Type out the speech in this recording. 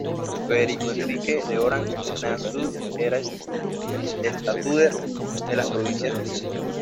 Federico Enrique de Orange-Nassau era estatúder de las Provincias Unidas.